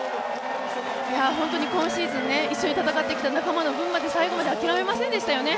本当に今シーズン一緒に戦ってきた仲間の分まで最後まで諦めませんでしたよね。